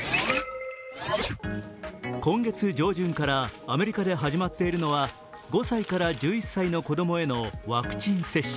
今月上旬からアメリカで始まっているのが、５歳から１１歳の子供へのワクチン接種。